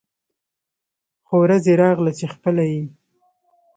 خو ورځ يې راغله چې خپله یې